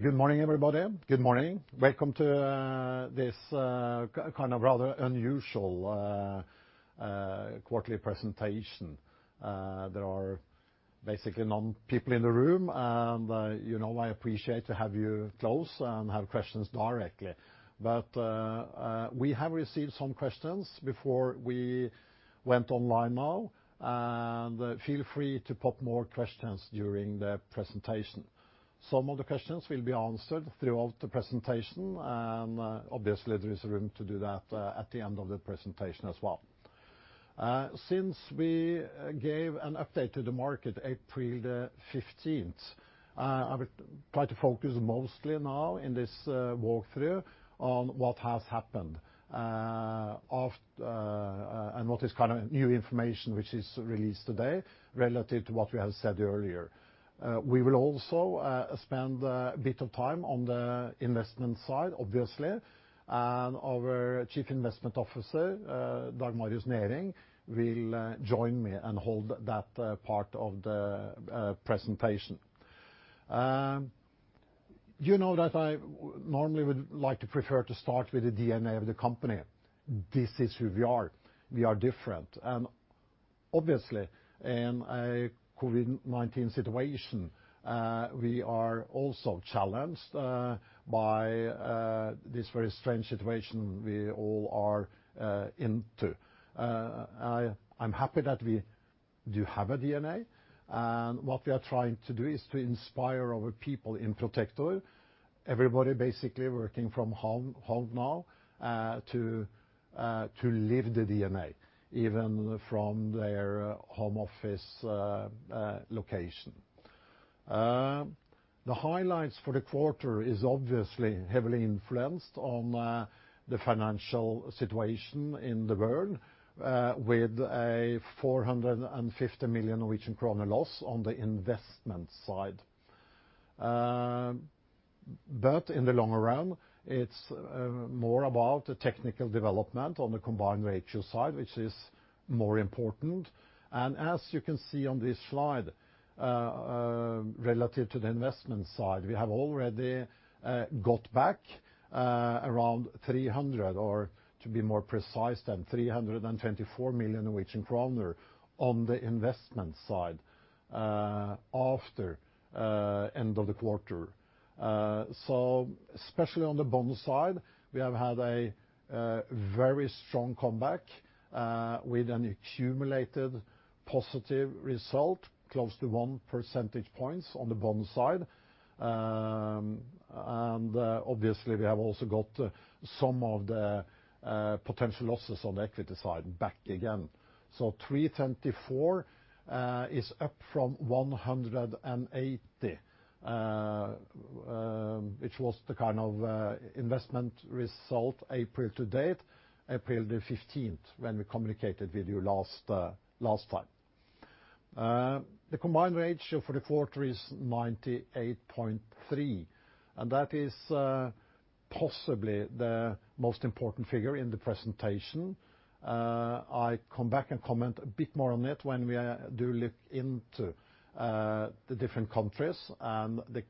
Good morning, everybody. Good morning. Welcome to this rather unusual quarterly presentation. There are basically no people in the room. I appreciate to have you close and have questions directly. We have received some questions before we went online now. Feel free to pop more questions during the presentation. Some of the questions will be answered throughout the presentation. Obviously there is room to do that at the end of the presentation as well. Since we gave an update to the market April 15th, I will try to focus mostly now in this walkthrough on what has happened and what is new information, which is released today relative to what we have said earlier. We will also spend a bit of time on the investment side, obviously, and our Chief Investment Officer, Dag Marius Nereng, will join me and hold that part of the presentation. You know that I normally would like to prefer to start with the DNA of the company. This is who we are. We are different. Obviously, in a COVID-19 situation, we are also challenged by this very strange situation we all are into. I'm happy that we do have a DNA, and what we are trying to do is to inspire our people in Protector. Everybody basically working from home now to live the DNA, even from their home office location. The highlights for the quarter is obviously heavily influenced on the financial situation in the world, with a 450 million Norwegian kroner loss on the investment side. In the long run, it's more about the technical development on the combined ratio side, which is more important. As you can see on this slide, relative to the investment side, we have already got back around 300 million or, to be more precise, 324 million Norwegian kroner on the investment side after end of the quarter. Especially on the bond side, we have had a very strong comeback, with an accumulated positive result, close to one percentage points on the bond side. Obviously, we have also got some of the potential losses on the equity side back again. 324 is up from 180, which was the investment result April-to-date, April 15th, when we communicated with you last time. The combined ratio for the quarter is 98.3%, and that is possibly the most important figure in the presentation. I come back and comment a bit more on it when we do look into the different countries and the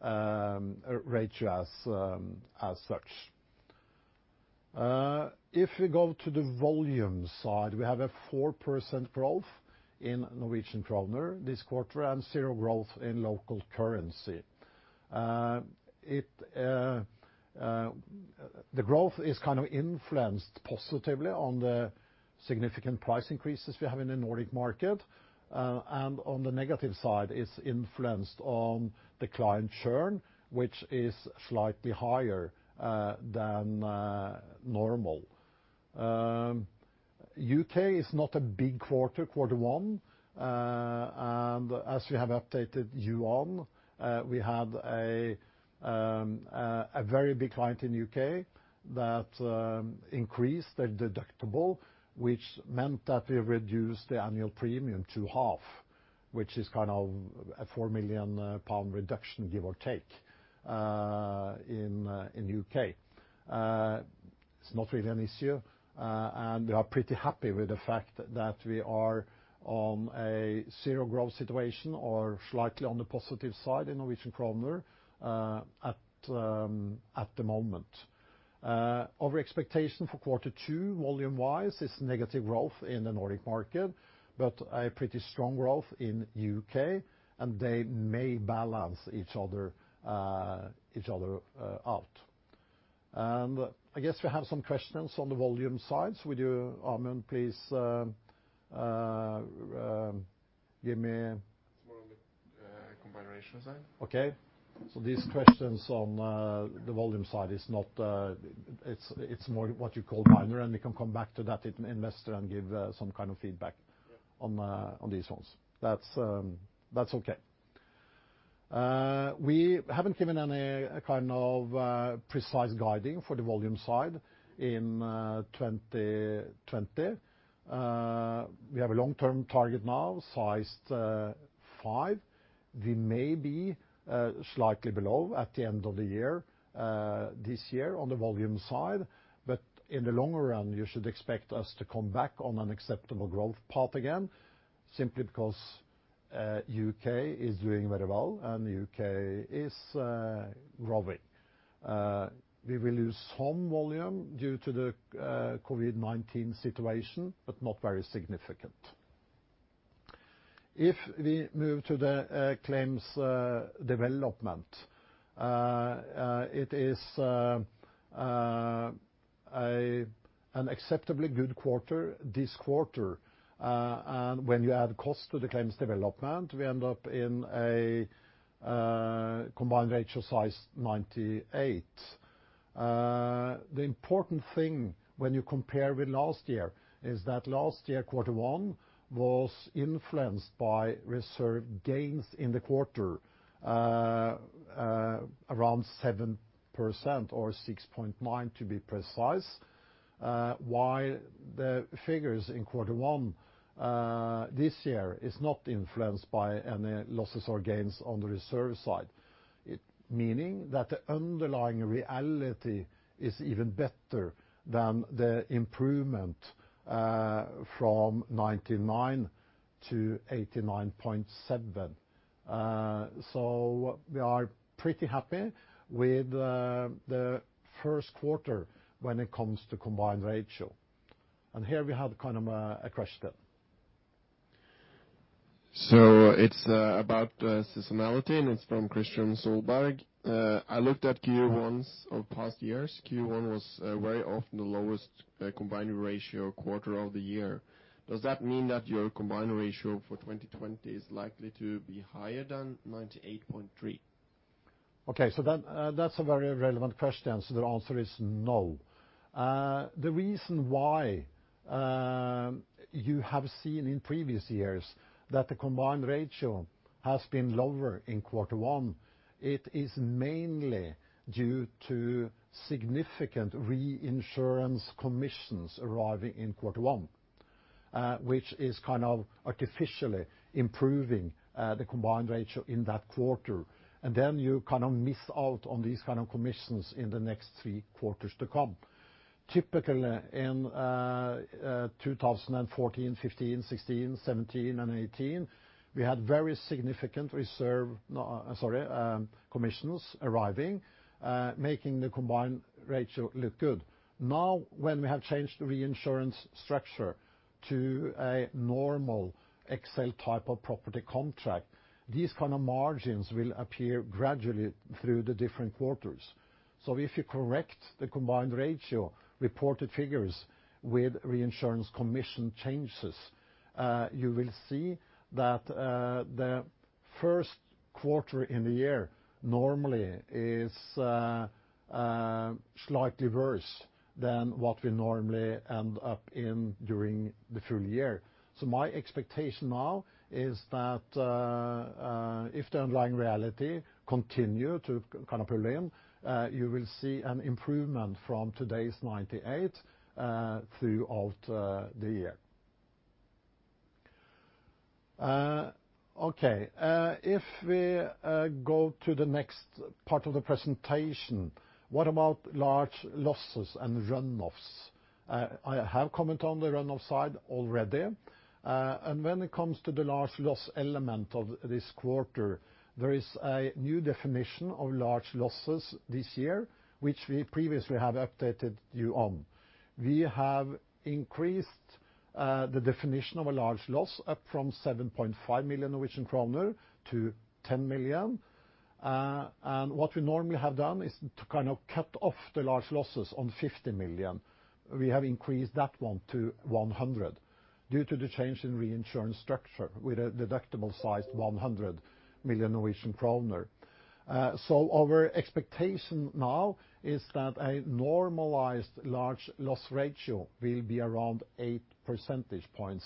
claims ratio as such. If we go to the volume side, we have a 4% growth in Norwegian Kroner this quarter and zero growth in local currency. The growth is influenced positively on the significant price increases we have in the Nordic market. On the negative side is influenced on the client churn, which is slightly higher than normal. U.K. is not a big quarter one. As we have updated you on, we had a very big client in U.K. that increased their deductible, which meant that we reduced the annual premium to half, which is a 4 million pound reduction, give or take, in U.K. It's not really an issue, and we are pretty happy with the fact that we are on a zero growth situation or slightly on the positive side in Norwegian Kroner at the moment. Our expectation for quarter two, volume-wise, is negative growth in the Nordic market, but a pretty strong growth in U.K., and they may balance each other out. I guess we have some questions on the volume side. Would you, Amund, please give me? It's more on the combination side. Okay. These questions on the volume side, it's more what you call minor, and we can come back to that in investor and give some kind of feedback on these ones. Yeah. That's okay. We haven't given any precise guiding for the volume side in 2020. We have a long-term target now, sized five. We may be slightly below at the end of the year, this year, on the volume side. In the long run, you should expect us to come back on an acceptable growth path again. Simply because U.K. is doing very well and the U.K. is growing. We will lose some volume due to the COVID-19 situation, but not very significant. If we move to the claims development, it is an acceptably good quarter this quarter. When you add cost to the claims development, we end up in a combined ratio 98%. The important thing when you compare with last year is that last year, quarter one was influenced by reserve gains in the quarter, around 7% or 6.9% to be precise. The figures in quarter one this year is not influenced by any losses or gains on the reserve side, meaning that the underlying reality is even better than the improvement from 99%-89.7%. We are pretty happy with the first quarter when it comes to combined ratio. Here we have kind of a question. It's about seasonality. It's from [Kristian Øier]. I looked at Q1s of past years. Q1 was very often the lowest combined ratio quarter of the year. Does that mean that your combined ratio for 2020 is likely to be higher than 98.3%? That's a very relevant question. The answer is no. The reason why you have seen in previous years that the combined ratio has been lower in quarter one, it is mainly due to significant reinsurance commissions arriving in quarter one, which is kind of artificially improving the combined ratio in that quarter. Then you kind of miss out on these kind of commissions in the next three quarters to come. Typically, in 2014, 2015, 2016, 2017, and 2018, we had very significant commissions arriving, making the combined ratio look good. When we have changed reinsurance structure to a normal excess of loss type of property contract, these kind of margins will appear gradually through the different quarters. If you correct the combined ratio reported figures with reinsurance commission changes, you will see that the first quarter in the year normally is slightly worse than what we normally end up in during the full year. My expectation now is that if the underlying reality continue to kind of pull in, you will see an improvement from today's 98% throughout the year. Okay, if we go to the next part of the presentation, what about large losses and runoffs? I have comment on the runoff side already. When it comes to the large loss element of this quarter, there is a new definition of large losses this year, which we previously have updated you on. We have increased the definition of a large loss up from 7.5 million Norwegian kroner to 10 million. What we normally have done is to kind of cut off the large losses on 50 million. We have increased that one to 100 million due to the change in reinsurance structure with a deductible size 100 million kroner. Our expectation now is that a normalized large loss ratio will be around eight percentage points.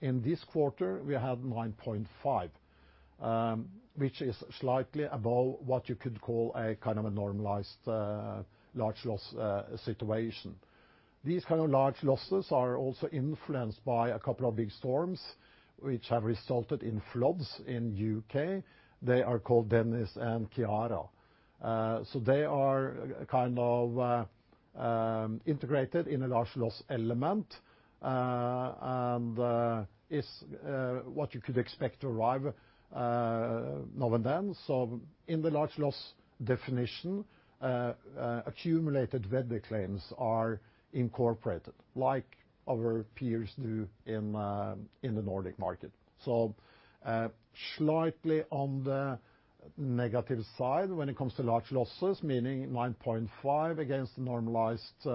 In this quarter, we had 9.5%, which is slightly above what you could call a kind of a normalized large loss situation. These kind of large losses are also influenced by a couple of big storms, which have resulted in floods in U.K. They are called Dennis and Ciara. They are kind of integrated in a large loss element, and is what you could expect to arrive now and then. In the large loss definition, accumulated weather claims are incorporated like our peers do in the Nordic market. Slightly on the negative side when it comes to large losses, meaning 9.5% against normalized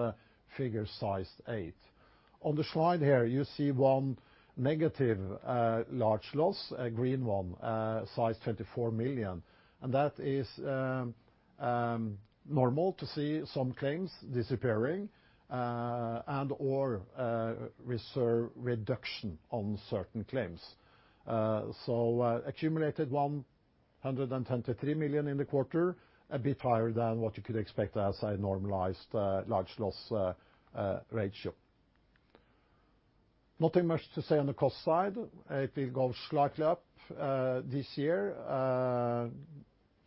figure size eight. On the slide here, you see one negative large loss, a green one, size 24 million. That is normal to see some claims disappearing, and/or reserve reduction on certain claims. Accumulated 123 million in the quarter, a bit higher than what you could expect as a normalized large loss ratio. Nothing much to say on the cost side. It will go slightly up this year.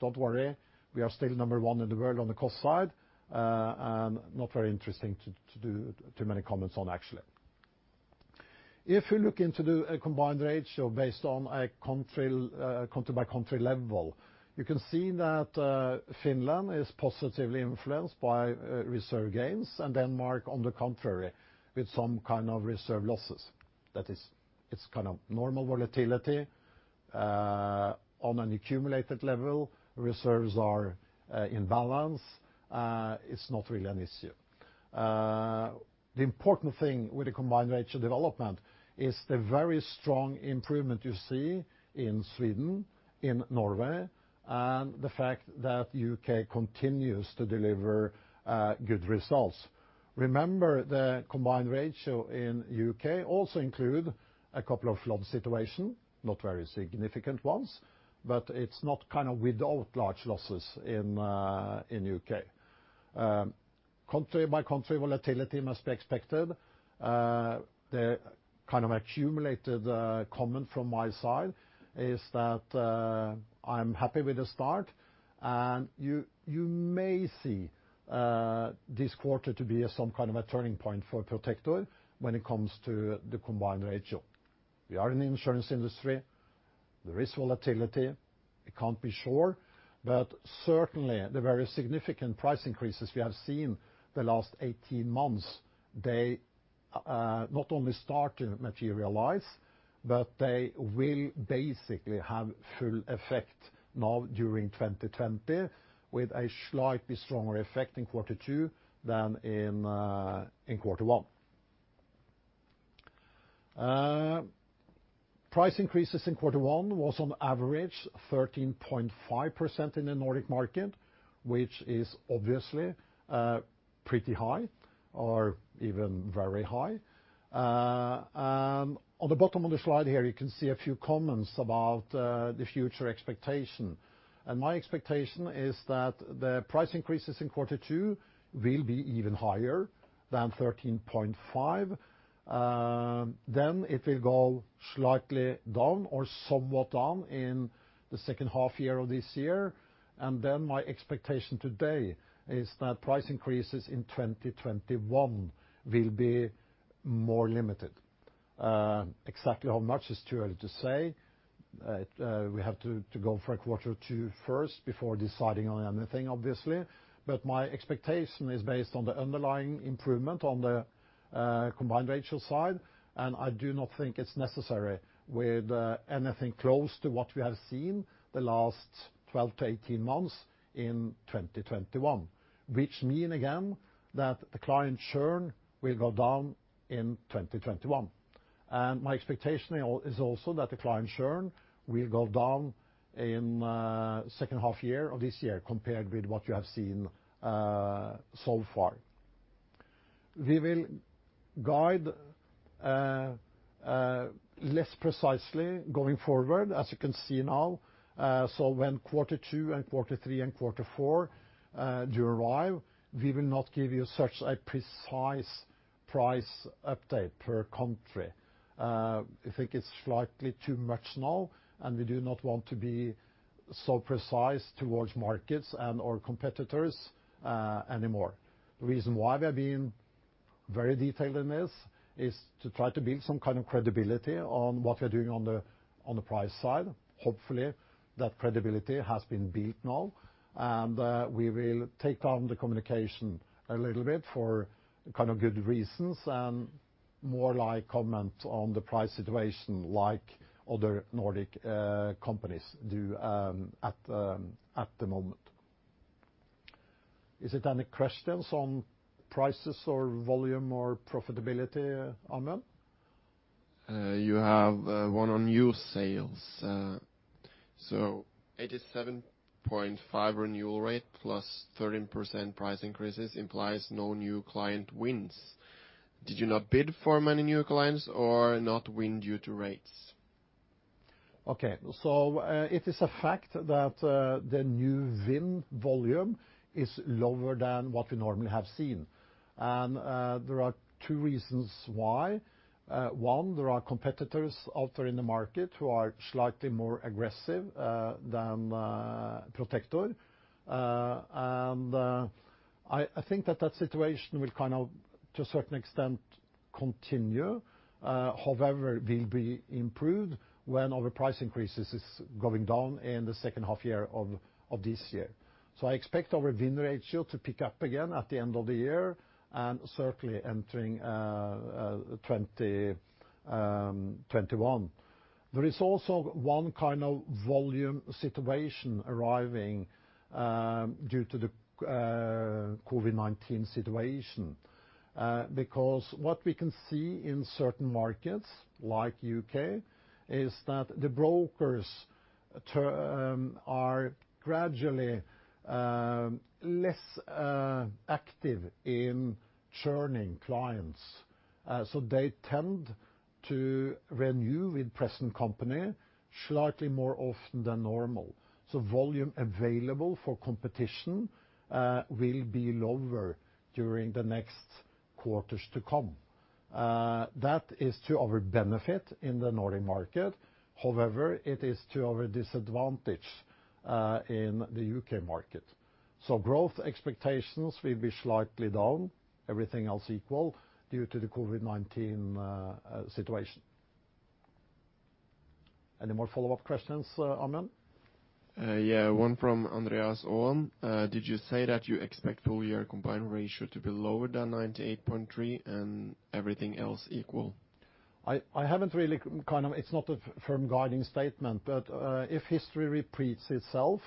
Don't worry, we are still number one in the world on the cost side, and not very interesting to do too many comments on, actually. If you look into the combined ratio based on a country by country level, you can see that Finland is positively influenced by reserve gains, and Denmark, on the contrary, with some kind of reserve losses. That is, it's normal volatility. On an accumulated level, reserves are in balance. It's not really an issue. The important thing with the combined ratio development is the very strong improvement you see in Sweden, in Norway, and the fact that U.K. continues to deliver good results. Remember, the combined ratio in U.K. also include a couple of flood situation, not very significant ones, but it's not without large losses in U.K. Country by country volatility must be expected. The accumulated comment from my side is that I'm happy with the start and you may see this quarter to be some kind of a turning point for Protector when it comes to the combined ratio. We are in the insurance industry. There is volatility. We can't be sure, certainly the very significant price increases we have seen the last 18 months, they not only start to materialize, but they will basically have full effect now during 2020, with a slightly stronger effect in quarter two than in quarter one. Price increases in quarter one was on average 13.5% in the Nordic market, which is obviously pretty high or even very high. On the bottom of the slide here, you can see a few comments about the future expectation. My expectation is that the price increases in quarter two will be even higher than 13.5%. It will go slightly down or somewhat down in the second half year of this year. My expectation today is that price increases in 2021 will be more limited. Exactly how much is too early to say. We have to go for a quarter or two first before deciding on anything, obviously. My expectation is based on the underlying improvement on the combined ratio side, and I do not think it's necessary with anything close to what we have seen the last 12-18 months in 2021, which mean again, that the client churn will go down in 2021. My expectation is also that the client churn will go down in second half year of this year compared with what you have seen so far. We will guide less precisely going forward, as you can see now. When quarter two and quarter three and quarter four do arrive, we will not give you such a precise price update per country. I think it's slightly too much now, and we do not want to be so precise towards markets and our competitors anymore. The reason why we have been very detailed in this is to try to build some kind of credibility on what we are doing on the price side. Hopefully, that credibility has been built now, we will take down the communication a little bit for good reasons and more like comment on the price situation like other Nordic companies do at the moment. Is it any questions on prices or volume or profitability, Amund? You have one on new sales. 87.5% renewal rate plus 13% price increases implies no new client wins. Did you not bid for many new clients or not win due to rates? It is a fact that the new win volume is lower than what we normally have seen. There are two reasons why. One, there are competitors out there in the market who are slightly more aggressive than Protector. I think that that situation will, to a certain extent, continue. However, will be improved when our price increases is going down in the second half year of this year. I expect our win ratio to pick up again at the end of the year and certainly entering 2021. There is also one volume situation arriving due to the COVID-19 situation. What we can see in certain markets, like U.K., is that the brokers are gradually less active in churning clients. They tend to renew with present company slightly more often than normal. Volume available for competition will be lower during the next quarters to come. That is to our benefit in the Nordic market. It is to our disadvantage in the U.K. market. Growth expectations will be slightly down, everything else equal, due to the COVID-19 situation. Any more follow-up questions, Amund? Yeah, one from Andreas [Aaen]. Did you say that you expect full-year combined ratio to be lower than 98.3% and everything else equal? It's not a firm guiding statement, but if history repeats itself,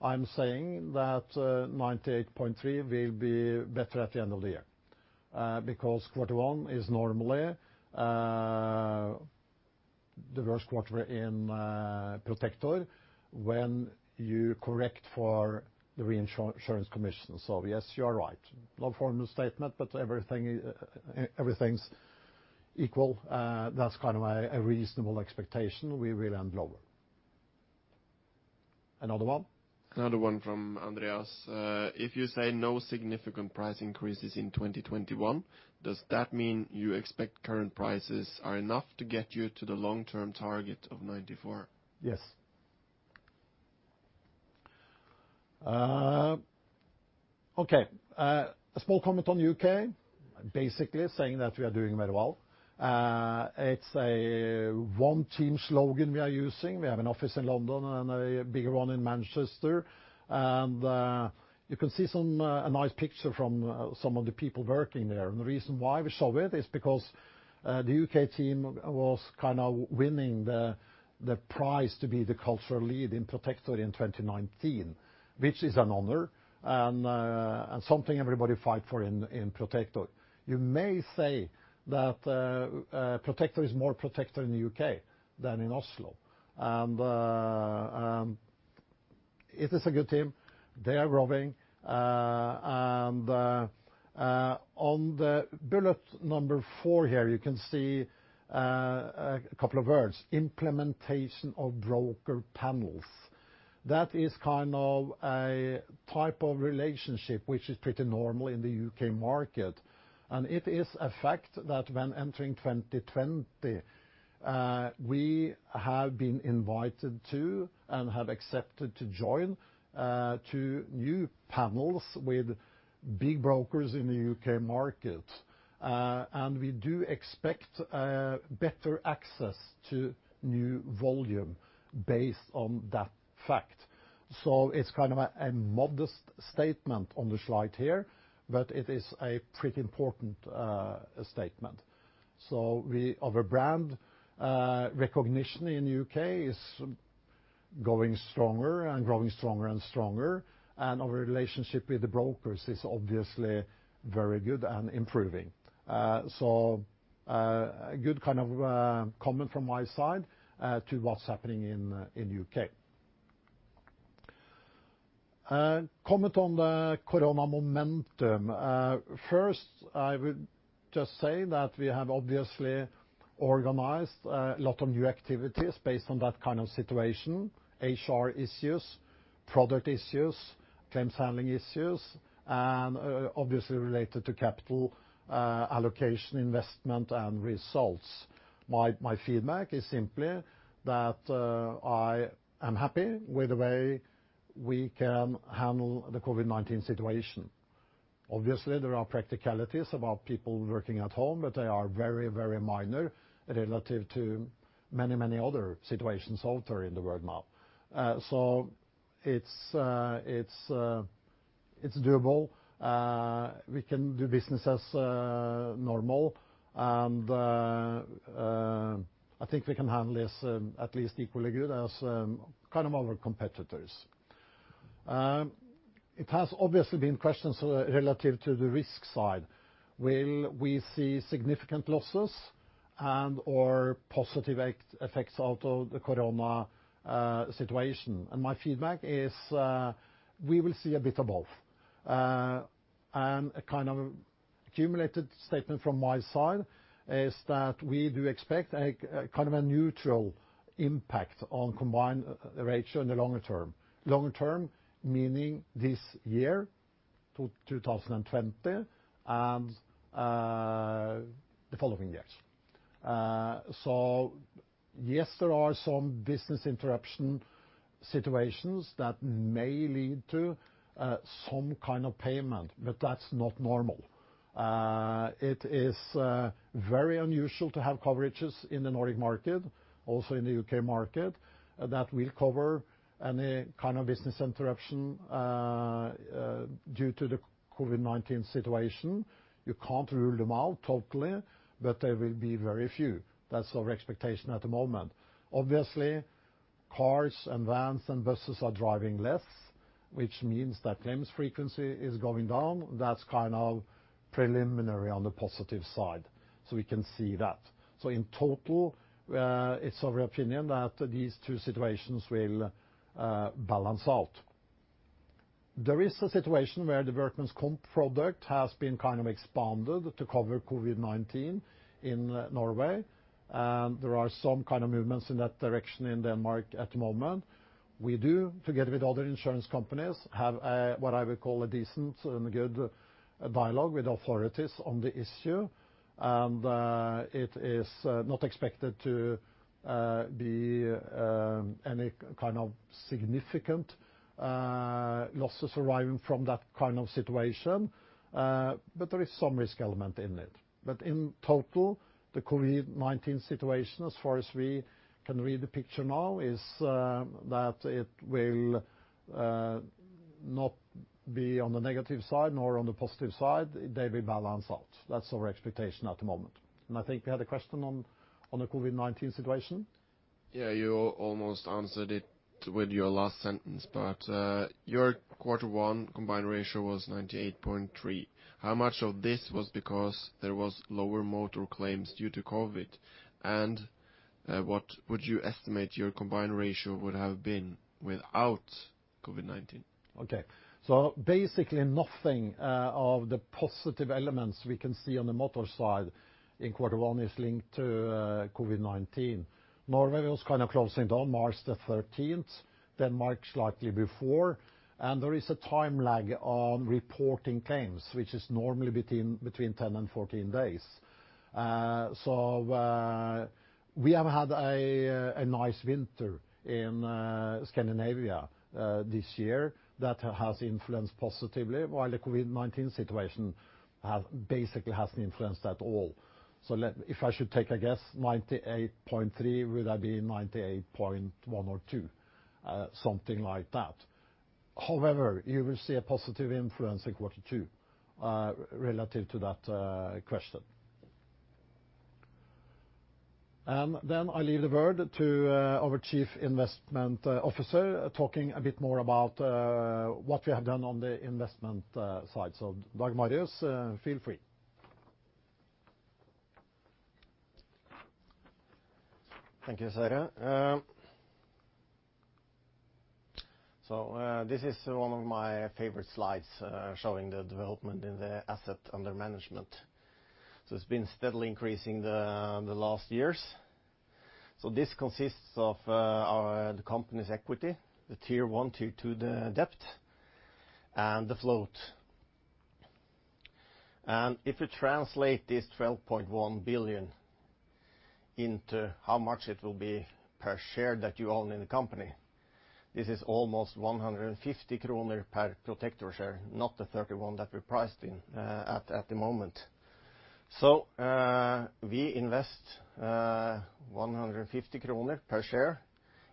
I'm saying that 98.3% will be better at the end of the year because quarter one is normally the worst quarter in Protector when you correct for the reinsurance commission. Yes, you are right. Not a formal statement, but everything's equal. That's a reasonable expectation. We will end lower. Another one? Another one from Andreas. If you say no significant price increases in 2021, does that mean you expect current prices are enough to get you to the long-term target of 94%? Yes. Okay. A small comment on U.K., basically saying that we are doing very well. It's a one-team slogan we are using. We have an office in London and a bigger one in Manchester. You can see a nice picture from some of the people working there. The reason why we show it is because the U.K. team was winning the prize to be the cultural lead in Protector in 2019, which is an honor and something everybody fight for in Protector. You may say that Protector is more Protector in the U.K. than in Oslo. It is a good team. They are growing. On the bullet number four here, you can see a couple of words, implementation of broker panels. That is a type of relationship which is pretty normal in the U.K. market. It is a fact that when entering 2020, we have been invited to and have accepted to join two new panels with big brokers in the U.K. market. We do expect better access to new volume based on that fact. It's a modest statement on the slide here, but it is a pretty important statement. Our brand recognition in the U.K. is going stronger and growing stronger and stronger, and our relationship with the brokers is obviously very good and improving. A good comment from my side to what's happening in U.K. Comment on the corona momentum. First, I would just say that we have obviously organized a lot of new activities based on that kind of situation. HR issues, product issues, claims handling issues, and obviously related to capital allocation, investment, and results. My feedback is simply that I am happy with the way we can handle the COVID-19 situation. Obviously, there are practicalities about people working at home. They are very minor relative to many other situations out there in the world now. It's doable. We can do business as normal. I think we can handle this at least equally good as our competitors. It has obviously been questions relative to the risk side. Will we see significant losses and/or positive effects out of the corona situation? My feedback is we will see a bit of both. A cumulative statement from my side is that we do expect a neutral impact on combined ratio in the longer term. Longer term meaning this year, 2020, and the following years. Yes, there are some business interruption situations that may lead to some kind of payment, but that's not normal. It is very unusual to have coverages in the Nordic market, also in the U.K. market, that will cover any kind of business interruption due to the COVID-19 situation. You can't rule them out totally, but they will be very few. That's our expectation at the moment. Obviously, cars and vans and buses are driving less, which means that claims frequency is going down. That's preliminary on the positive side. We can see that. In total, it's our opinion that these two situations will balance out. There is a situation where the workers' comp product has been expanded to cover COVID-19 in Norway, and there are some kind of movements in that direction in Denmark at the moment. We do, together with other insurance companies, have what I would call a decent and good dialogue with authorities on the issue. It is not expected to be any kind of significant losses arising from that kind of situation, but there is some risk element in it. In total, the COVID-19 situation as far as we can read the picture now, is that it will not be on the negative side nor on the positive side. They will balance out. That's our expectation at the moment. I think we had a question on the COVID-19 situation. Yeah, you almost answered it with your last sentence, your quarter one combined ratio was 98.3%. How much of this was because there was lower motor claims due to COVID? What would you estimate your combined ratio would have been without COVID-19? Okay. Basically, nothing of the positive elements we can see on the motor side in quarter one is linked to COVID-19. Norway was closing down March the 13th, Denmark slightly before. There is a time lag on reporting claims, which is normally between 10 and 14 days. We have had a nice winter in Scandinavia this year that has influenced positively, while the COVID-19 situation basically has influenced at all. If I should take a guess, 98.3%, would that be 98.1% or 98.2%? Something like that. However, you will see a positive influence in quarter two relative to that question. I leave the word to our Chief Investment Officer, talking a bit more about what we have done on the investment side. Dag Marius, feel free. Thank you, Sverre. This is one of my favorite slides, showing the development in the asset under management. It's been steadily increasing the last years. This consists of the company's equity, the Tier 1, Tier 2, the debt, and the float. If you translate this 12.1 billion into how much it will be per share that you own in the company, this is almost 150 kroner per Protector share, not the 31 that we priced in at the moment. We invest 150 kroner per share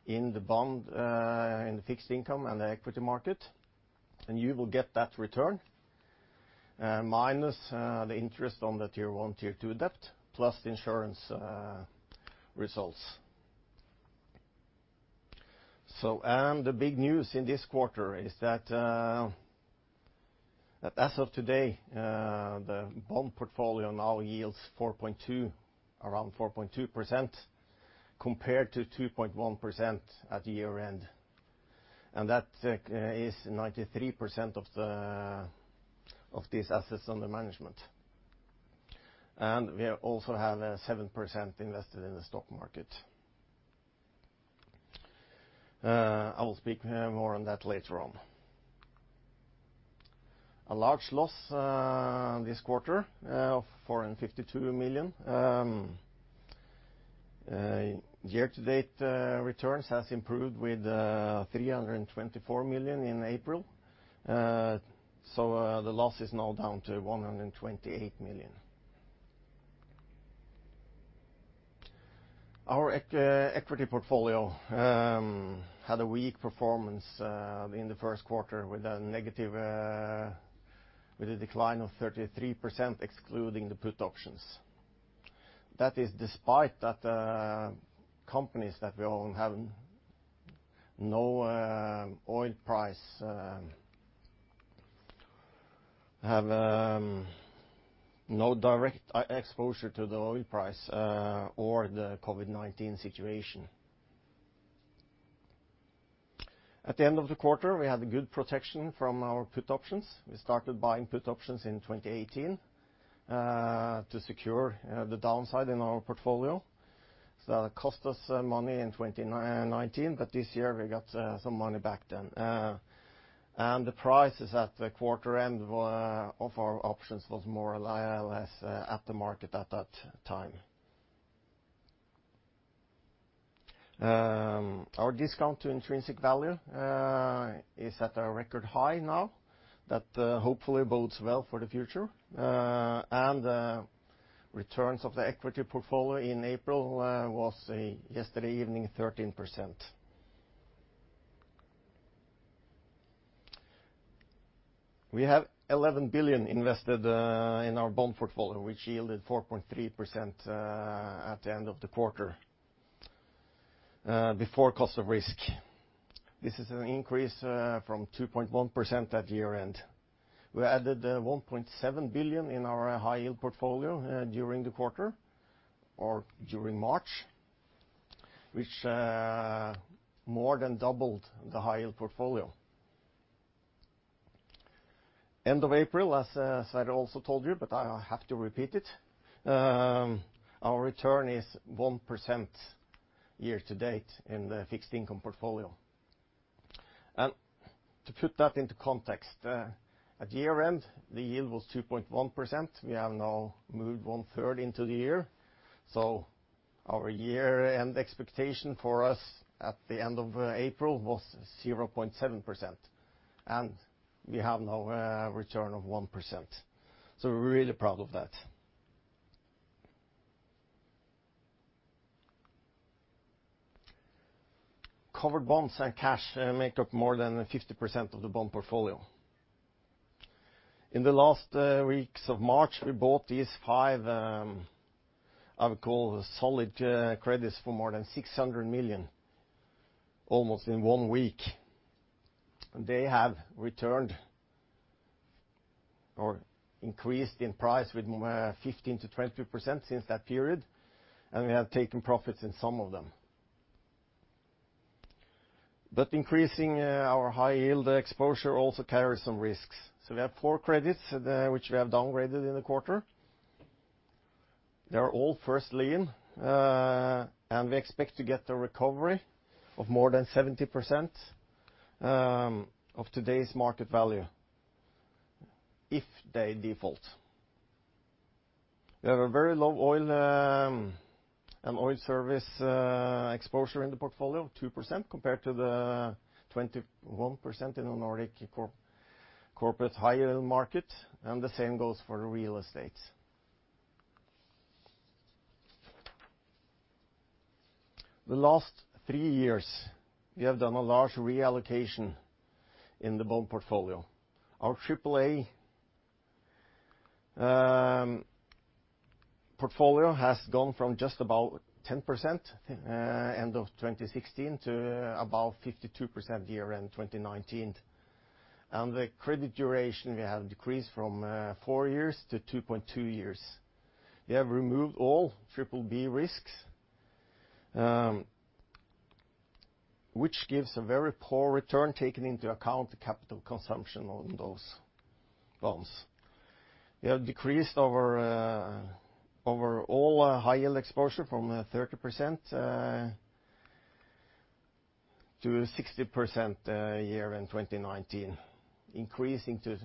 in the bond, in the fixed income, and the equity market, and you will get that return, minus the interest on the Tier 1, Tier 2 debt, plus the insurance results. The big news in this quarter is that, as of today, the bond portfolio now yields around 4.2% compared to 2.1% at year end. That is 93% of these assets under management. We also have 7% invested in the stock market. I will speak more on that later on. A large loss this quarter of 452 million. Year-to-date returns has improved with 324 million in April. The loss is now down to 128 million. Our equity portfolio had a weak performance in the first quarter with a decline of 33%, excluding the put options. That is despite that companies that we own have no direct exposure to the oil price, or the COVID-19 situation. At the end of the quarter, we had good protection from our put options. We started buying put options in 2018, to secure the downside in our portfolio. That cost us money in 2019, but this year we got some money back then. The prices at the quarter end of our options was more or less at the market at that time. Our discount to intrinsic value is at a record high now, that hopefully bodes well for the future. The returns of the equity portfolio in April was yesterday evening, 13%. We have 11 billion invested in our bond portfolio, which yielded 4.3% at the end of the quarter, before cost of risk. This is an increase from 2.1% at year end. We added 1.7 billion in our high yield portfolio during the quarter, or during March, which more than doubled the high yield portfolio. End of April, as Sverre also told you, but I have to repeat it, our return is 1% year-to-date in the fixed income portfolio. To put that into context, at year end, the yield was 2.1%. We have now moved one third into the year. Our year-end expectation for us at the end of April was 0.7%, and we have now a return of 1%. We're really proud of that. Covered bonds and cash make up more than 50% of the bond portfolio. In the last weeks of March, we bought these five, I would call, solid credits for more than 600 million almost in one week. They have returned or increased in price with 15%-22% since that period, and we have taken profits in some of them. Increasing our high yield exposure also carries some risks. We have four credits which we have downgraded in the quarter. They are all first lien, and we expect to get a recovery of more than 70% of today's market value if they default. We have a very low oil and oil service exposure in the portfolio, 2%, compared to the 21% in the Nordic corporate high yield market. The same goes for real estate. The last three years, we have done a large reallocation in the bond portfolio. Our AAA portfolio has gone from just about 10%, end of 2016, to about 52% year-end 2019. The credit duration, we have decreased from four years to 2.2 years. We have removed all BBB risks, which gives a very poor return, taking into account the capital consumption on those bonds. We have decreased our overall high yield exposure from 30% to 60% year-end 2019, increasing to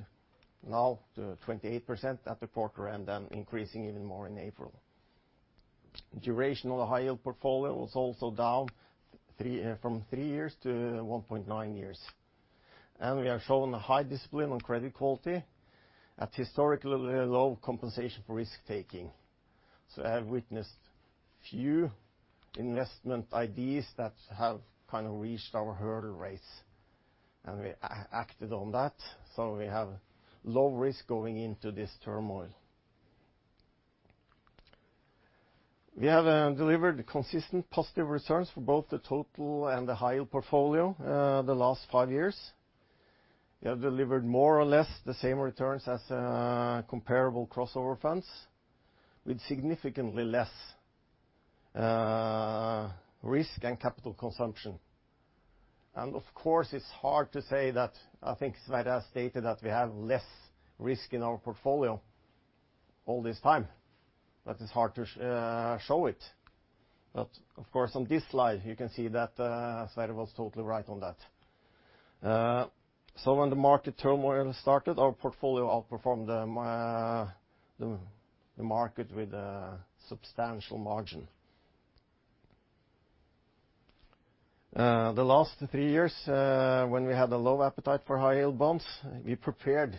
now to 28% at the quarter and then increasing even more in April. Duration of the high yield portfolio was also down from three years to 1.9 years. We have shown a high discipline on credit quality at historically low compensation for risk taking. I have witnessed few investment ideas that have kind of reached our hurdle rates, and we acted on that. We have low risk going into this turmoil. We have delivered consistent positive returns for both the total and the high yield portfolio the last five years. We have delivered more or less the same returns as comparable crossover funds with significantly less risk and capital consumption. Of course, it's hard to say that I think Sverre has stated that we have less risk in our portfolio all this time, but it's hard to show it. Of course, on this slide, you can see that Sverre was totally right on that. When the market turmoil started, our portfolio outperformed the market with a substantial margin. The last three years, when we had a low appetite for high yield bonds, we prepared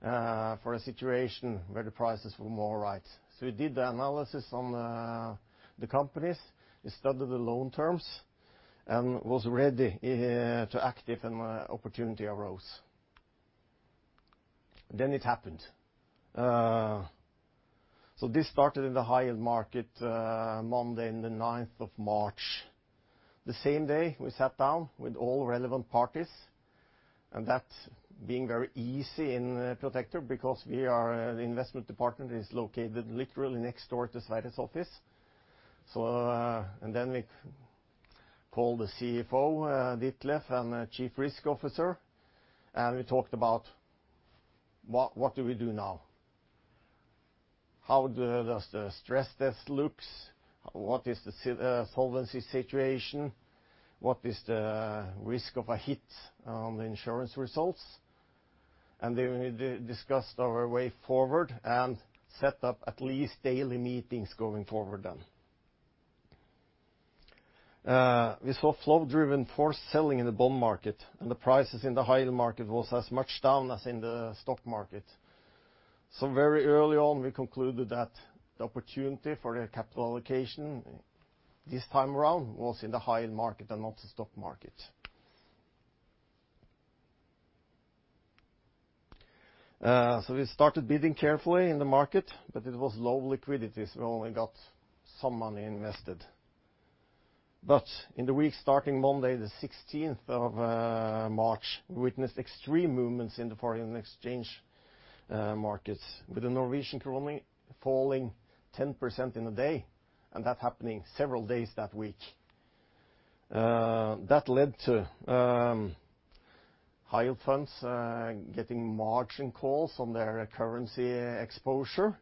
for a situation where the prices were more right. We did the analysis on the companies, we studied the loan terms, and was ready to active when opportunity arose. It happened. This started in the high yield market Monday in the 9th of March. The same day, we sat down with all relevant parties, and that being very easy in Protector because we are, the investment department is located literally next door to Sverre's office. We called the CFO, Ditlev, and Chief Risk Officer, and we talked about what do we do now? How does the stress test looks? What is the solvency situation? What is the risk of a hit on the insurance results? We discussed our way forward and set up at least daily meetings going forward then. We saw flow-driven forced selling in the bond market, the prices in the high yield market was as much down as in the stock market. Very early on, we concluded that the opportunity for the capital allocation this time around was in the high yield market and not the stock market. We started bidding carefully in the market, but it was low liquidity, so we only got some money invested. In the week starting Monday, the 16th of March, we witnessed extreme movements in the foreign exchange markets with the Norwegian Krone falling 10% in a day, and that happening several days that week. That led to high yield funds getting margin calls on their currency exposure,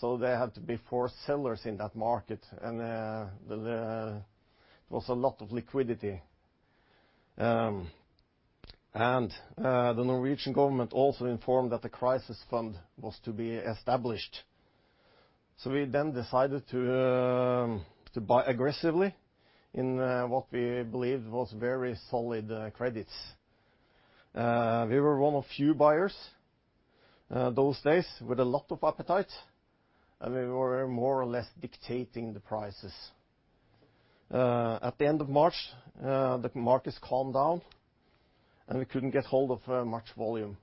so they had to be forced sellers in that market. There was a lot of liquidity. The Norwegian government also informed that the crisis fund was to be established. We then decided to buy aggressively in what we believed was very solid credits. We were one of few buyers those days with a lot of appetite, and we were more or less dictating the prices. At the end of March, the markets calmed down, and we couldn't get hold of much volume.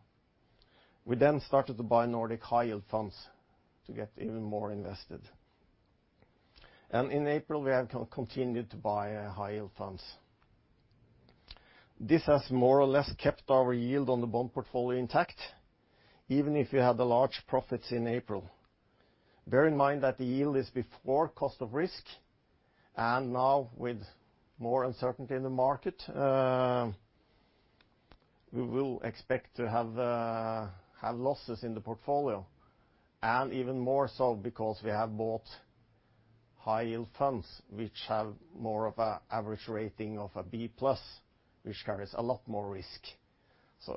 We then started to buy Nordic high yield funds to get even more invested. In April, we have continued to buy high yield funds. This has more or less kept our yield on the bond portfolio intact, even if we had large profits in April. Bear in mind that the yield is before cost of risk, and now with more uncertainty in the market, we will expect to have losses in the portfolio, and even more so because we have bought high yield funds, which have more of a average rating of B+, which carries a lot more risk.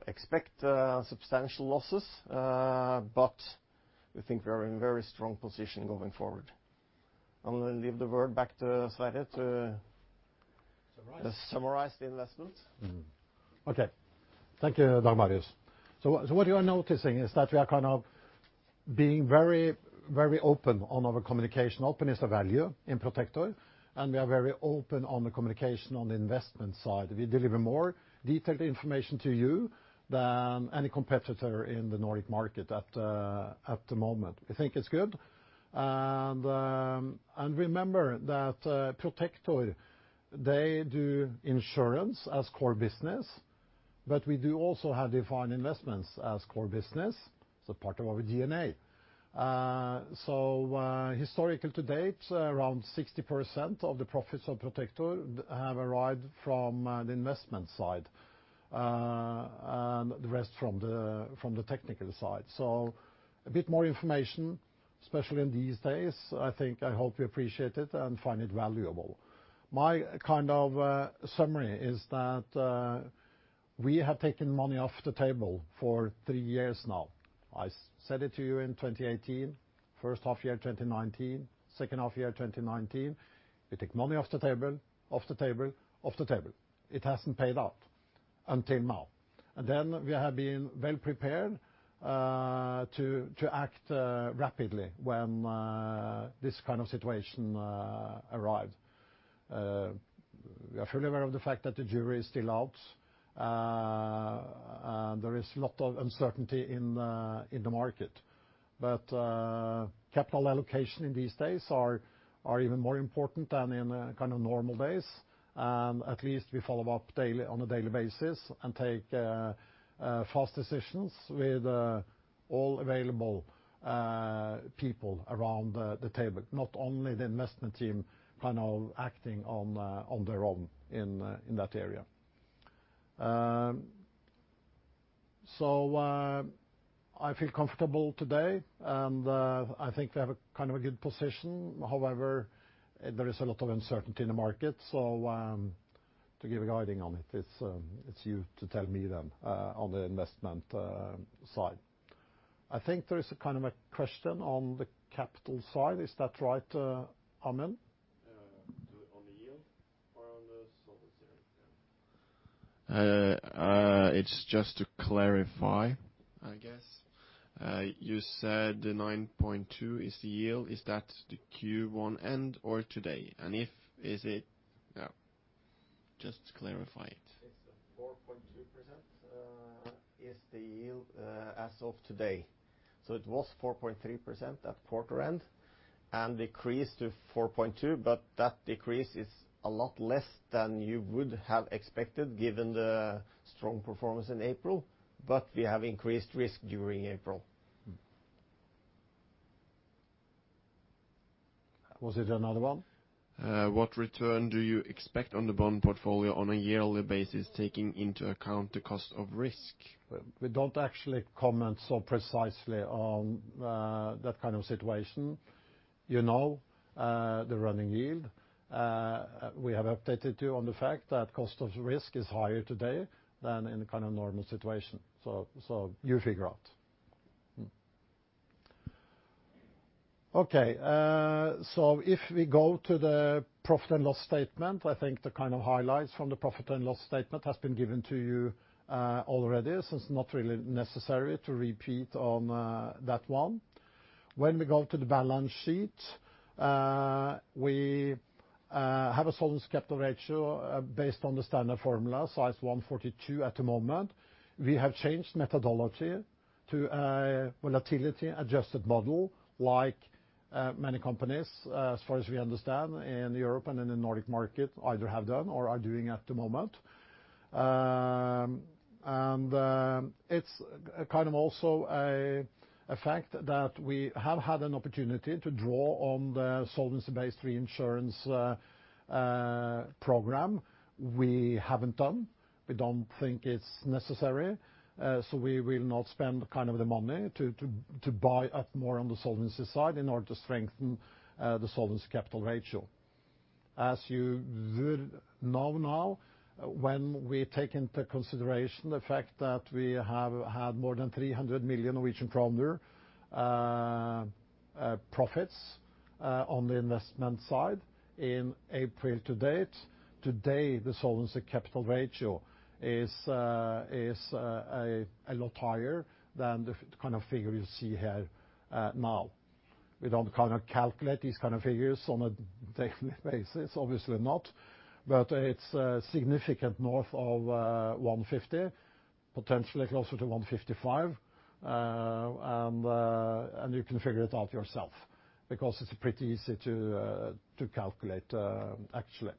Expect substantial losses, but we think we are in very strong position going forward. I'm going to leave the word back to Sverre to- Summarize.... summarize the investment. Okay. Thank you, Dag Marius. What you are noticing is that we are being very open on our communication. Open is a value in Protector, and we are very open on the communication on the investment side. We deliver more detailed information to you than any competitor in the Nordic market at the moment. We think it's good. Remember that Protector, they do insurance as core business. We do also have defined investments as core business. It's a part of our DNA. Historically-to-date, around 60% of the profits of Protector have arrived from the investment side. The rest from the technical side. A bit more information, especially in these days, I think, I hope you appreciate it and find it valuable. My summary is that we have taken money off the table for three years now. I said it to you in 2018, first half year 2019, second half year 2019. We take money off the table, off the table, off the table. It hasn't paid out until now. We have been well prepared to act rapidly when this kind of situation arrived. We are fully aware of the fact that the jury is still out. There is a lot of uncertainty in the market. Capital allocation in these days are even more important than in normal days. At least we follow up on a daily basis and take fast decisions with all available people around the table, not only the investment team acting on their own in that area. I feel comfortable today, and I think we have a good position. However, there is a lot of uncertainty in the market. To give a guiding on it's you to tell me then on the investment side. I think there is a question on the capital side. Is that right, Amund? On the yield or on the solvency ratio? It's just to clarify, I guess. You said the 9.2% is the yield. Is that the Q1 end or today? Yeah, just to clarify it. It's the 4.2% is the yield as of today. It was 4.3% at quarter end and decreased to 4.2%, but that decrease is a lot less than you would have expected given the strong performance in April, but we have increased risk during April. Was it another one? What return do you expect on the bond portfolio on a yearly basis, taking into account the cost of risk? We don't actually comment so precisely on that kind of situation. You know the running yield. We have updated you on the fact that cost of risk is higher today than in a normal situation. You figure out. If we go to the profit and loss statement, I think the highlights from the profit and loss statement has been given to you already. It's not really necessary to repeat on that one. When we go to the balance sheet, we have a solvency capital ratio based on the standard formula, size 142 at the moment. We have changed methodology to a volatility adjusted model like many companies, as far as we understand, in Europe and in the Nordic market either have done or are doing at the moment. It's also a fact that we have had an opportunity to draw on the solvency based reinsurance program. We haven't done. We don't think it's necessary. We will not spend the money to buy up more on the solvency side in order to strengthen the solvency capital ratio. As you would know now, when we take into consideration the fact that we have had more than 300 million Norwegian kroner profits on the investment side in April-to-date. Today, the solvency capital ratio is a lot higher than the figure you see here now. We don't calculate these kind of figures on a daily basis, obviously not, but it's significant north of 150%, potentially closer to 155%. You can figure it out yourself because it's pretty easy to calculate, actually.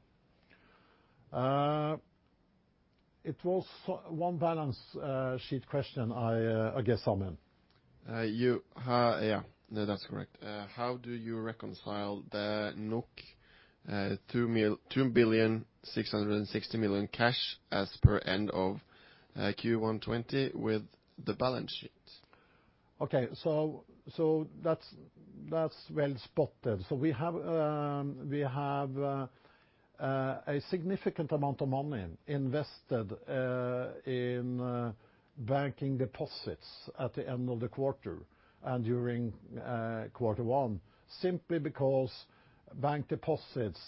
It was one balance sheet question, I guess, Amund. Yeah. No, that's correct. How do you reconcile the 2,660 million cash as per end of Q1 2020 with the balance sheet? Okay. That's well spotted. We have a significant amount of money invested in banking deposits at the end of the quarter and during quarter one, simply because bank deposits,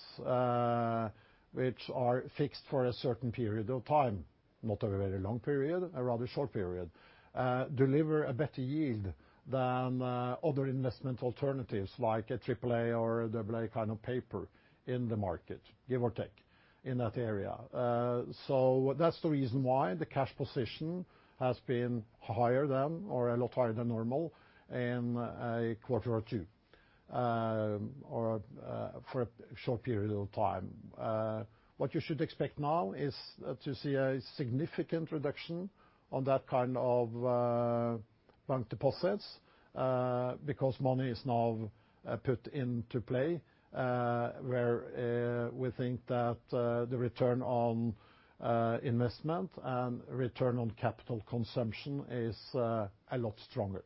which are fixed for a certain period of time, not a very long period, a rather short period, deliver a better yield than other investment alternatives like AAA or AA kind of paper in the market, give or take, in that area. That's the reason why the cash position has been higher than, or a lot higher than normal in a quarter or two, or for a short period of time. What you should expect now is to see a significant reduction on that kind of bank deposits, because money is now put into play, where we think that the return on investment and return on capital consumption is a lot stronger.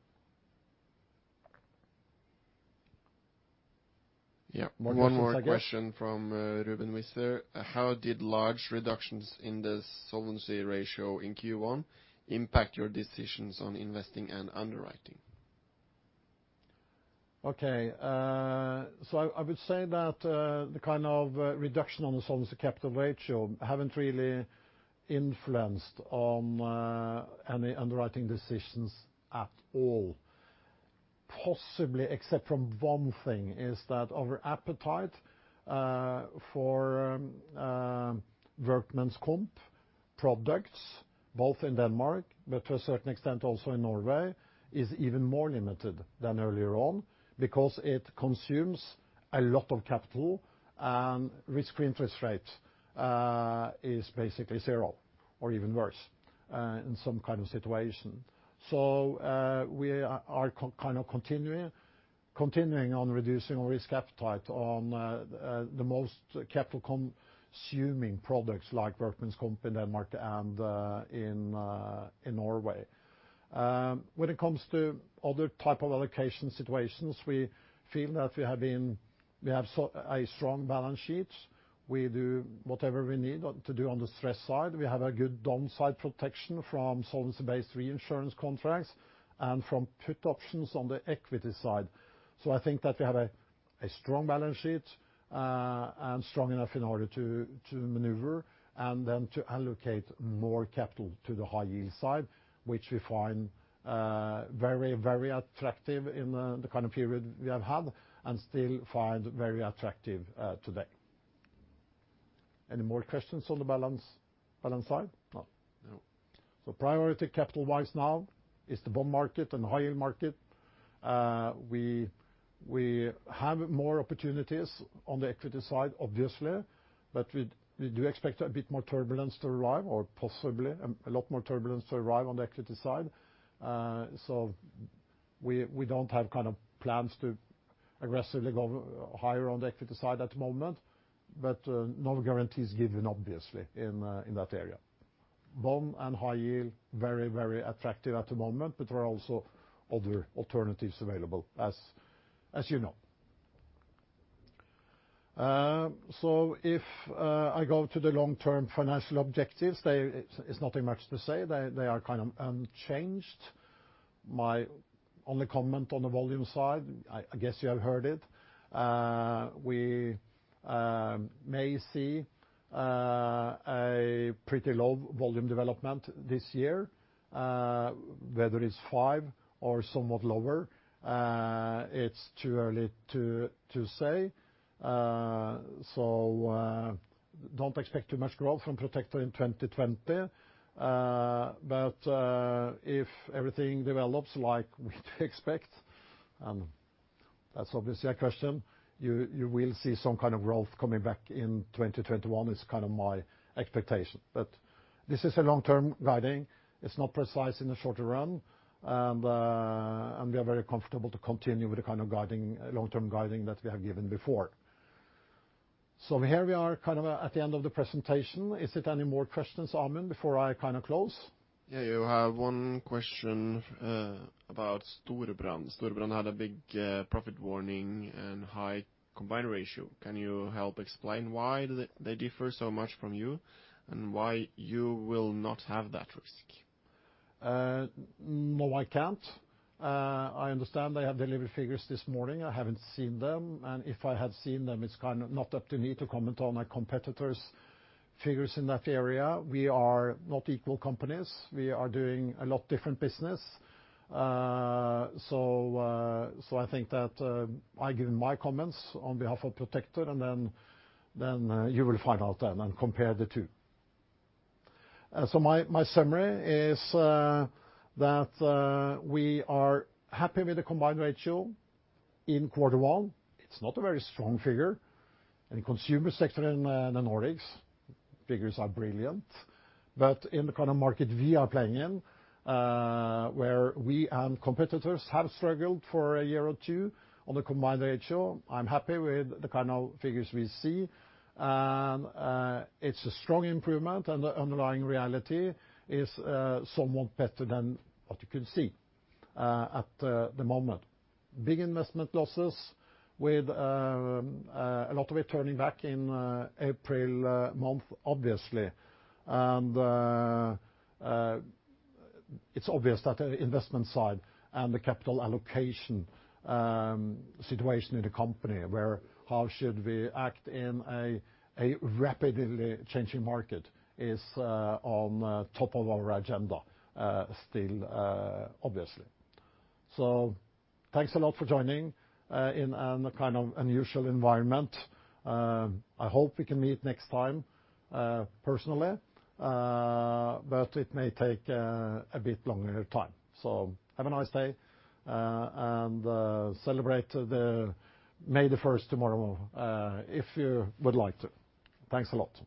Yeah. One more, I guess. One more question from Ruben [Vatnan]. How did large reductions in the solvency ratio in Q1 impact your decisions on investing and underwriting? I would say that the kind of reduction on the solvency capital ratio haven't really influenced on any underwriting decisions at all. Possibly, except from one thing, is that our appetite for workers' comp products, both in Denmark, but to a certain extent also in Norway, is even more limited than earlier on because it consumes a lot of capital and risk-free interest rate is basically zero or even worse in some kind of situation. We are continuing on reducing our risk appetite on the most capital consuming products like workers' comp in Denmark and in Norway. When it comes to other type of allocation situations, we feel that we have a strong balance sheet. We do whatever we need to do on the stress side. We have a good downside protection from solvency based reinsurance contracts and from put options on the equity side. I think that we have a strong balance sheet and strong enough in order to maneuver and then to allocate more capital to the high yield side, which we find very attractive in the kind of period we have had and still find very attractive today. Any more questions on the balance side? No. No. Priority capital wise now is the bond market and the high yield market. We have more opportunities on the equity side, obviously, but we do expect a bit more turbulence to arrive or possibly a lot more turbulence to arrive on the equity side. We don't have plans to aggressively go higher on the equity side at the moment, but no guarantees given, obviously, in that area. Bond and high yield, very attractive at the moment, but there are also other alternatives available, as you know. If I go to the long term financial objectives, it's nothing much to say. They are unchanged. My only comment on the volume side, I guess you have heard it. We may see a pretty low volume development this year. Whether it's five or somewhat lower, it's too early to say. Don't expect too much growth from Protector in 2020. If everything develops like we expect and that's obviously a question. You will see some kind of growth coming back in 2021 is my expectation. This is a long-term guiding. It's not precise in the shorter run, and we are very comfortable to continue with the long-term guiding that we have given before. Here we are at the end of the presentation. Is it any more questions, Amund, before I close? Yeah, you have one question about Storebrand. Storebrand had a big profit warning and high combined ratio. Can you help explain why they differ so much from you and why you will not have that risk? No, I can't. I understand they have delivered figures this morning. I haven't seen them, and if I had seen them, it's not up to me to comment on a competitor's figures in that area. We are not equal companies. We are doing a lot different business. I think that I give my comments on behalf of Protector, and then you will find out then and compare the two. My summary is that we are happy with the combined ratio in quarter one. It's not a very strong figure. In the consumer sector in the Nordics, figures are brilliant. In the kind of market we are playing in, where we and competitors have struggled for a year or two on the combined ratio, I'm happy with the kind of figures we see. It's a strong improvement. The underlying reality is somewhat better than what you can see at the moment. Big investment losses with a lot of it turning back in April month, obviously. It's obvious that investment side and the capital allocation situation in the company where, how should we act in a rapidly changing market is on top of our agenda still, obviously. Thanks a lot for joining in a kind of unusual environment. I hope we can meet next time personally, but it may take a bit longer time. Have a nice day, and celebrate May 1st tomorrow, if you would like to. Thanks a lot.